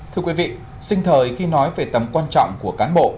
thưa quý vị sinh thời khi nói về tầm quan trọng của cán bộ